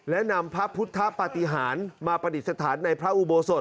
และนำพระพุทธปฏิหารมาปฏิสถานในพระอุโบสถ